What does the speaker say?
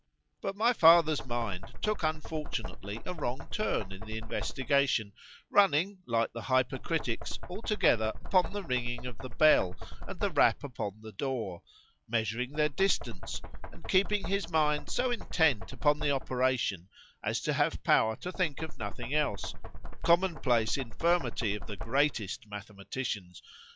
But my father's mind took unfortunately a wrong turn in the investigation; running, like the hypercritick's, altogether upon the ringing of the bell and the rap upon the door,—measuring their distance, and keeping his mind so intent upon the operation, as to have power to think of nothing else,——common place infirmity of the greatest mathematicians!